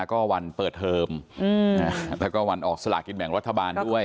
ก็วันเปิดเทอมแล้วก็วันออกสลากินแบ่งรัฐบาลด้วย